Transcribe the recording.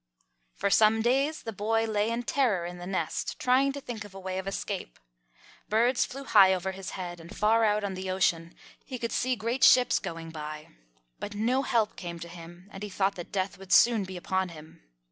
For some days the boy lay in terror in the nest, trying to think of a way of escape. Birds flew high over his head, and far out on the ocean he could see great ships going by. But no help came to him, and he thought that death would soon be upon him.